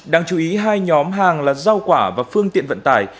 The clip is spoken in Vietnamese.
đáng chú ý hai nhóm hàng là rau quả và phương tiện vận tải